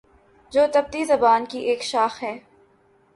جو تبتی زبان کی ایک شاخ ہے